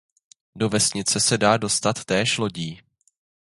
Do vesnice se dá dostat též lodí.